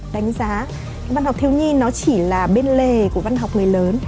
đánh giá văn học thiếu nhi nó chỉ là bên lề của văn học người lớn